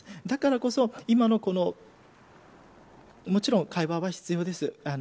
だからこそ、今のもちろん会話は必要です。